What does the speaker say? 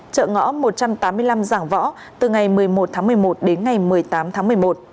chợ ngõ một trăm tám mươi năm giảng võ từ ngày một mươi một tháng một mươi một đến ngày một mươi tám tháng một mươi một